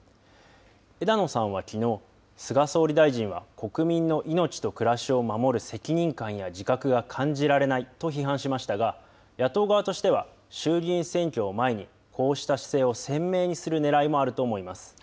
枝野さんはきのう、菅総理大臣は国民の命と暮らしを守る責任感や自覚が感じられないと批判しましたが、野党側としては、衆議院選挙を前に、こうした姿勢を鮮明にするねらいもあると思います。